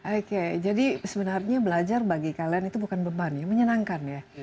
oke jadi sebenarnya belajar bagi kalian itu bukan beban ya menyenangkan ya